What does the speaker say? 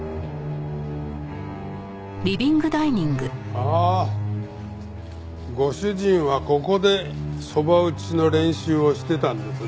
ああご主人はここでそば打ちの練習をしてたんですね？